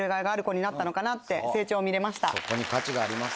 そこに価値があります。